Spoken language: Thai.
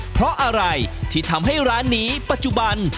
เพราะอะไรที่ทำให้ร้านนี้ปัจจุบัน